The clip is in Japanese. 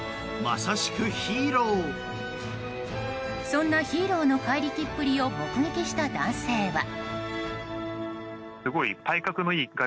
そんなヒーローの怪力っぷりを目撃した男性は。